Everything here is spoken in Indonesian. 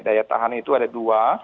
daya tahan itu ada dua